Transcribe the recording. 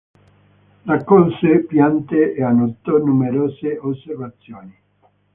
Raccolse piante e annotò numerose osservazioni.